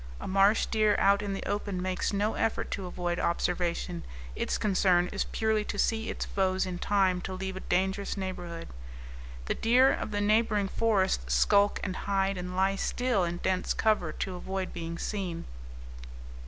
A marsh deer out in the open makes no effort to avoid observation; its concern is purely to see its foes in time to leave a dangerous neighborhood. The deer of the neighboring forest skulk and hide and lie still in dense cover to avoid being seen.